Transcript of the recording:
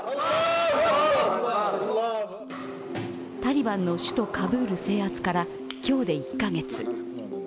タリバンの首都カブール制圧から今日で１カ月。